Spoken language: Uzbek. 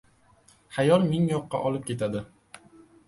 Xayol ming yoqqa olib ketadi.